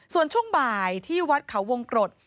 ส่วนช่วงบ่ายที่วัดเขาวงกรด